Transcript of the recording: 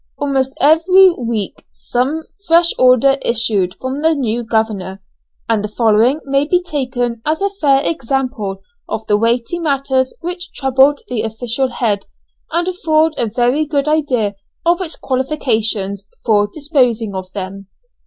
Almost every week some fresh order issued from the new governor, and the following may be taken as a fair example of the weighty matters which troubled the official head, and afford a very good idea of its qualifications for disposing of them.